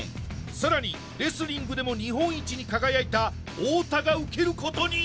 更にレスリングでも日本一に輝いた太田が受けることに！